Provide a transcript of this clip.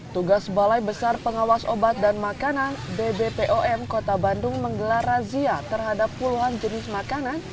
tugas balai besar pengawas obat dan makanan b b p o m kota bandung menggelar razia terhadap puluhan jenis makanan